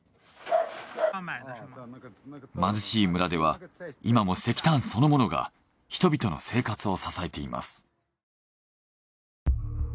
貧しい村では今も石炭そのものが人々の生活を支えています。